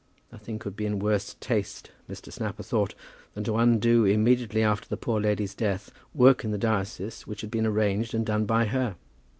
Nothing could be in worse taste, Mr. Snapper thought, than to undo, immediately after the poor lady's death, work in the diocese which had been arranged and done by her.